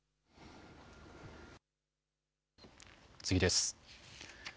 次です。